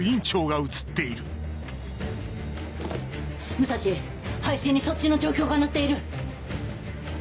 武蔵配信にそっちの状況がのっている！